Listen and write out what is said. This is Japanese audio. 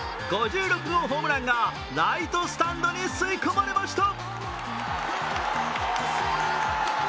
５６号ホームランがライトスタンドへ吸い込まれました。